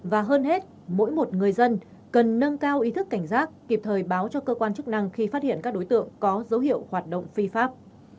và hơn hết mỗi một người dân cần nâng cao ý thức cảnh giác kịp thời báo cho cơ quan chức năng khi phát hiện các đối tượng có dấu hiệu hoạt động phi pháp